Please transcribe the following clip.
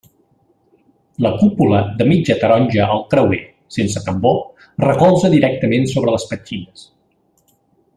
La cúpula de mitja taronja al creuer, sense tambor, recolza directament sobre les petxines.